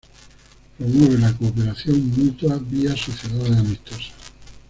Promueve la cooperación mutua vía sociedades amistosas.